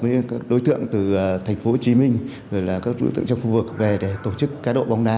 các đối tượng từ thành phố hồ chí minh các đối tượng trong khu vực về để tổ chức cá độ bóng đá